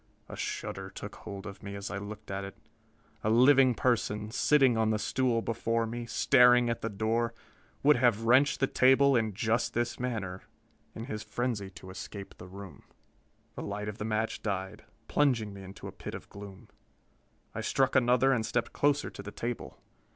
A shudder took hold of me as I looked at it. A living person, sitting on the stool before me, staring at the door, would have wrenched the table in just this manner in his frenzy to escape from the room! The light of the match died, plunging me into a pit of gloom. I struck another and stepped closer to the table.